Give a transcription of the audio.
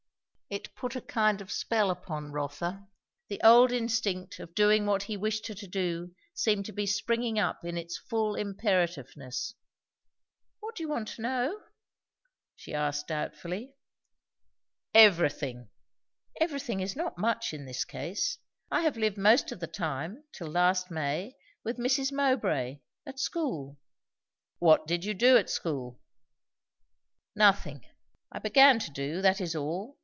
It put a kind of spell upon Rotha. The old instinct of doing what he wished her to do seemed to be springing up in its full imperativeness. "What do you want to know?" she asked doubtfully. "Everything!" "Everything is not much, in this case. I have lived most of the time, till last May, with Mrs. Mowbray; at school." "What did you do at school?" "Nothing. I began to do, that is all.